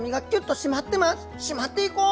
締まっていこう！